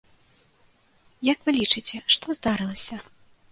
Як вы лічыце, што здарылася?